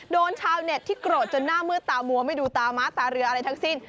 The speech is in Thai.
ชาวเน็ตที่โกรธจนหน้ามืดตามัวไม่ดูตาม้าตาเรืออะไรทั้งสิ้น